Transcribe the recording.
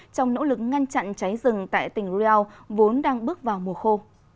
trong nỗ lực ngăn chặn cháy rừng tại tỉnh riau vốn đang bước vào mùa khô